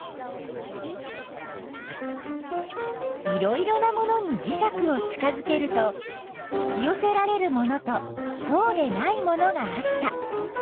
いろいろなものにじしゃくを近づけると引きよせられるものとそうでないものがあった。